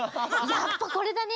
やっぱこれだね！